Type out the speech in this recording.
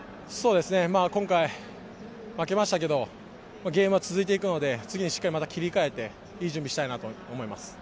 今回負けましたけれども、ゲームは続いていくので、次にしっかり切り替えて、いい準備をしたいなと思います。